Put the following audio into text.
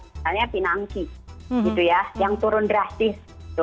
misalnya pinangki gitu ya yang turun drastis